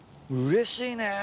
うれしいね。